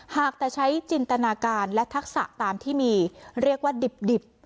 หากแต่ใช้จินตนาการและทักษะตามที่มีเรียกว่าดิบ